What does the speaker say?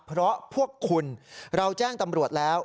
เพราะพวกคุณเราแจ้งตำรวจแล้ว